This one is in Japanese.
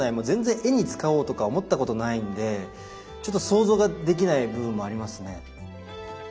全然絵に使おうとか思ったことないんでちょっと想像ができない部分もありますね。